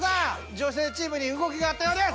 女性チームに動きがあったようです！